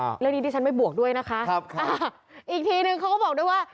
เรื่องนี้ดิฉันไม่บวกด้วยนะคะครับอ่าอีกทีนึงเขาก็บอกด้วยว่า